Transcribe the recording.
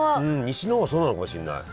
西の方はそうなのかもしれない。